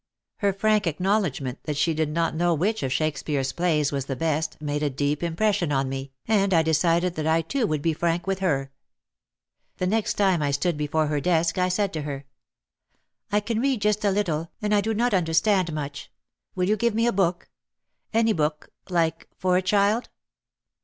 Her frank acknowledgment that she did not know which of Shake speare's plays was the best made a deep impression on me and I decided that I too would be frank with her. The next time I stood before her desk I said to her, "I can read just a little and I do not understand much. Will you give me a book? — any book — like for a child."